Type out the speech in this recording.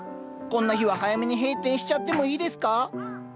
こんな日は早めに閉店しちゃってもいいですか？